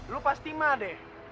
lu pasti mah deh